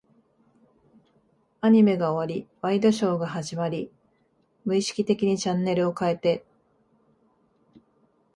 アニメが終わり、ワイドショーが始まり、無意識的にチャンネルを変えて、